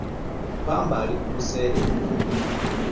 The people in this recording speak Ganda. Pamba ali ku buseere nnyo.